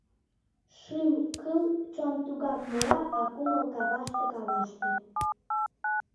Шӱм-кыл, чон тугак мура, а кумыл каваште-каваште...